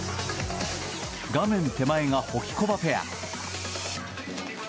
画面手前がホキコバペア。